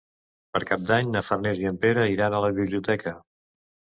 Per Cap d'Any na Farners i en Pere iran a la biblioteca.